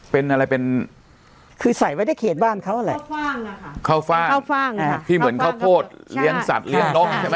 แบบนี้แหลมแล้วก็ขอวะคะข้าวฟ่างเ๙๗นั้น